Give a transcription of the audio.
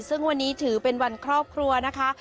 ซึ่งวันนี้ถือเป็นวันครอบครัวนะคะ